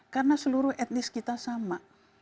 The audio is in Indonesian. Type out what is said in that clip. karena seluruh etnis kita sama